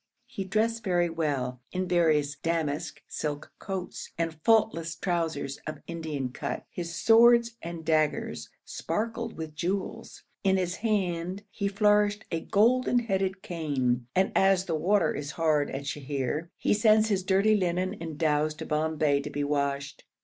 He dressed very well in various damask silk coats and faultless trousers of Indian cut, his swords and daggers sparkled with jewels, in his hand he flourished a golden headed cane, and as the water is hard at Sheher, he sends his dirty linen in dhows to Bombay to be washed.